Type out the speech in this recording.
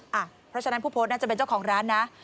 เพราะฉะนั้นผู้โพสต์น่าจะเป็นเจ้าของร้านนะ